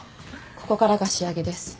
ここからが仕上げです。